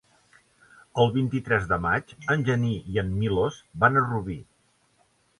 El vint-i-tres de maig en Genís i en Milos van a Rubí.